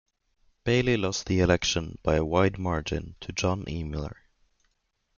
Bailey lost the election by a wide margin to John E. Miller.